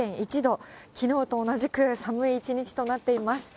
きのうと同じく、寒い一日となっています。